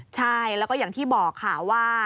ใช่แล้วก็อย่างที่บอกค่ะว่า